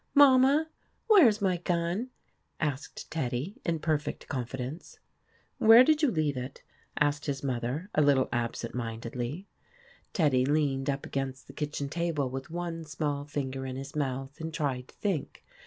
" Mama, where is my gun ?" asked Teddy in perfect confidence. " Where did you leave it ?' asked his mother, a little absent mindedly. Teddy leaned up against the kitchen table with one small finger in his mouth and tried to think.